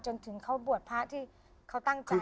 จนถึงเขาบวชพระที่เขาตั้งใจ